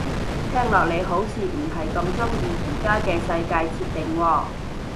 聽落你好似唔係咁鍾意而家嘅世界設定喎